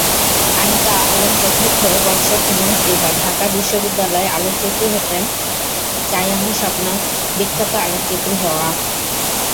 আনিকা আলমচতুর্থ বর্ষ, ফিন্যান্স বিভাগ, ঢাকা বিশ্ববিদ্যালয়আলোকচিত্রী হতে চাইআমার স্বপ্ন বিখ্যাত আলোকচিত্রী হওয়া।